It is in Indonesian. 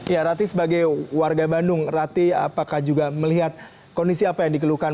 ya rati sebagai warga bandung rati apakah juga melihat kondisi apa yang dikeluhkan